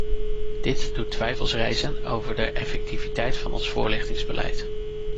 Dit doet twijfels rijzen over de effectiviteit van ons voorlichtingsbeleid.